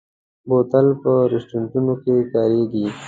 بوتل په رستورانتونو کې کارېږي.